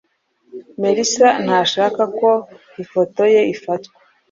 Merisa ntashaka ko ifoto ye ifatwa.